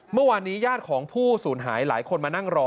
เมื่อวานนี้ญาติของผู้สูญหายหลายคนมานั่งรอ